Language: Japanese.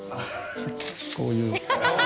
こういう。